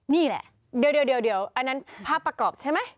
นี่แหละเดี๋ยวอันนั้นภาพประกอบใช่ไหม